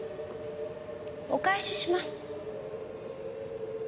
お返しします。